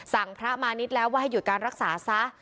พระมาณิชย์แล้วว่าให้หยุดการรักษาซะ